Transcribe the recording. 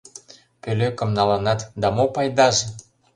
«ПӦЛЕКЫМ НАЛЫНАТ, ДА МО ПАЙДАЖЕ?»